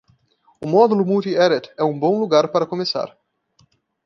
O módulo multi-edit é um bom lugar para começar.